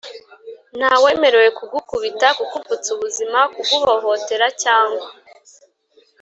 ntawemerewe kugukubita, kukuvutsa ubuzima, kuguhohotera cyangwa